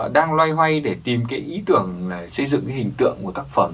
đang loay hoay để tìm cái ý tưởng xây dựng hình tượng của tác phẩm